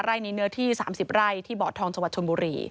ไร่ในนื้อที่๓๐ไร่ที่บอร์ชทองชวัดชนบุรี